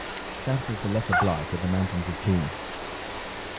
South of the Lesser Blight are the Mountains of Dhoom.